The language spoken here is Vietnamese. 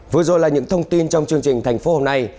vừa rồi là những thông tin trong chương trình thành phố hôm nay